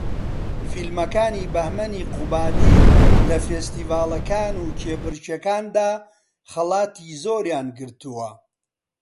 فیلمەکانی بەھمەن قوبادی لە فێستیڤاڵەکان و کێبەرکێکاندا خەڵاتی زۆریان گرتووە